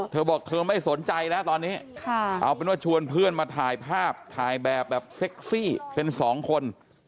เธอบอกเธอไม่สนใจแล้วตอนนี้เอาเป็นว่าชวนเพื่อนมาถ่ายภาพถ่ายแบบแบบเซ็กซี่เป็นสองคน